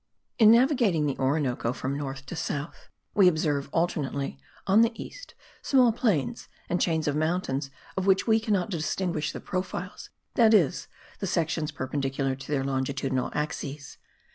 In navigating the Orinoco from north to south we observe, alternately, on the east, small plains and chains of mountains of which we cannot distinguish the profiles, that is, the sections perpendicular to their longitudinal axes.